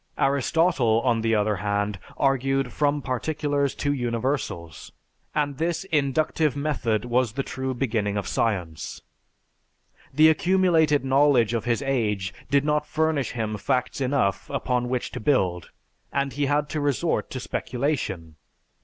Aristotle, on the other hand, argued from particulars to universals, and this inductive method was the true beginning of science. The accumulated knowledge of his age did not furnish him facts enough upon which to build and he had to resort to speculation.